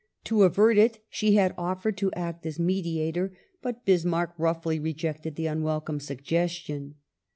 To avert it she had offered to act as mediator, but Bismarck roughly rejected the unwelcome suggestion.